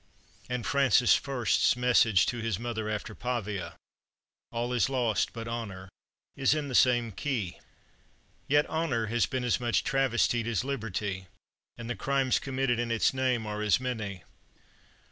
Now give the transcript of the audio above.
And Francis First's message to his mother after Pavia, "All is lost but honor," is in the same key. Yet honor has been as much travestied as liberty, and the crimes committed in its name are as many.